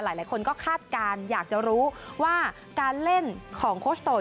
หลายคนก็คาดการณ์อยากจะรู้ว่าการเล่นของโคชโตย